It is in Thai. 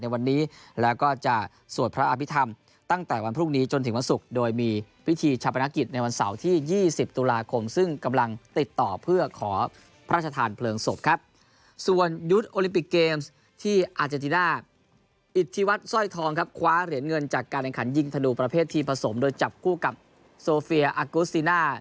วันนี้แล้วก็จะสวดพระอภิษฐรรมตั้งแต่วันพรุ่งนี้จนถึงวันศุกร์โดยมีวิธีชับประณะกิจในวันเสาร์ที่๒๐ตุลาคมซึ่งกำลังติดต่อเพื่อขอพระชาธารเผลิงศพครับส่วนยุทธ์โอลิมปิกเกมส์ที่อาจารย์ดิน่าอิทธิวัตรสร้อยทองครับคว้าเหรียญเงินจากการแขนยิงธนูประเภทที่ผส